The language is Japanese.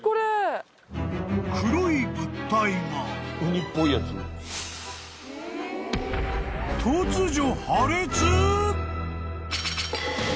［黒い物体が突如］